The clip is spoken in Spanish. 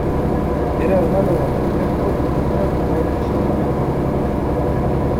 Era hermano del arquitecto Richard Morris Hunt.